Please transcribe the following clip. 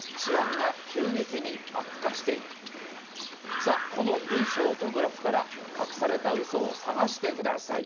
さあこの文章とグラフからかくされたウソを探してください。